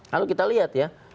kalau kita lihat ya